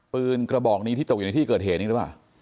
กระบอกนี้ที่ตกอยู่ในที่เกิดเหตุนี้หรือเปล่า